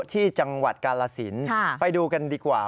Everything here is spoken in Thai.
ที่จังหวัดกาลสินไปดูกันดีกว่า